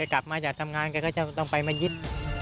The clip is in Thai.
กับมาจากทำงานก็ต้องไปมายิน